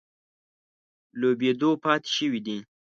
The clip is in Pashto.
لوبېدو پاتې شوي دي.